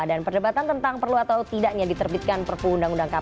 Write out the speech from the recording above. dan perdebatan tentang perlu atau tidaknya diterbitkan perpuh undang undang kpk